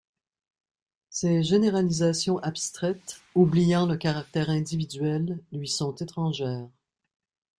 Ces généralisations abstraites, oubliant le caractère individuel lui sont étrangères.